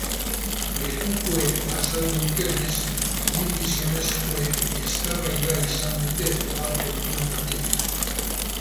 Lekukoek azaldu dutenez, bi gizonezkoek eztabaida izan dute, lan kontuengatik.